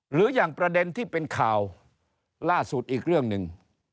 หรืออย่างประเด็นที่เป็นข่าวล่าสุดอีกเรื่องหนึ่ง